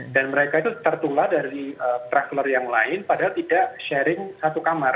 dan mereka itu tertular dari traveler yang lain padahal tidak sharing satu kamar